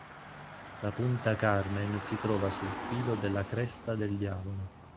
La Punta Carmen si trova sul filo della "Cresta del Diavolo".